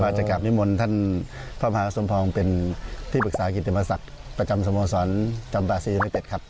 จะกลับนิมนต์ท่านพระมหาสมปองเป็นที่ปรึกษากิติมศักดิ์ประจำสโมสรจำบาซียูนิเต็ดครับ